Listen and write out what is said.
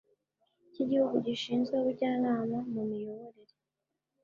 cy igihugu gishinzwe ubujyanama mu miyoborere